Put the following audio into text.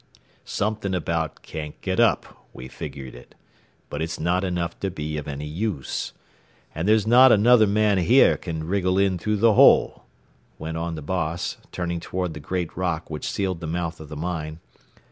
Something about 'can't get up,' we figured it. But it's not enough to be of any use. "And there's not another man here can wriggle in through the hole," went on the boss, turning toward the great rock which sealed the mouth of the mine.